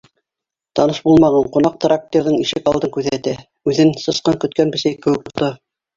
Таныш булмаған ҡунаҡ трактирҙың ишек алдын күҙәтә, үҙен сысҡан көткән бесәй кеүек тота.